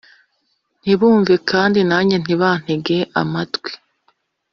ntibumve kandi nanjye ntibantege amatwi